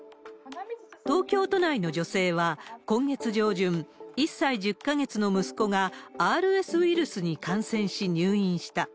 東京都内の女性は、今月上旬、１歳１０か月の息子が、ＲＳウイルスに感染し入院した。